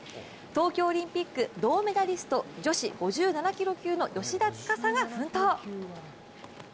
東京オリンピック銅メダリスト女子５７キロ級の芳田司が奮闘。